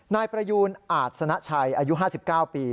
นายประยูนอาจสนะชัยอายุ๕๙ปี